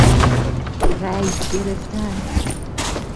رآی گرفتن